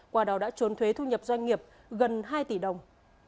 qua đó đã trốn thuế thu nhập doanh nghiệp gần hai tỷ đồng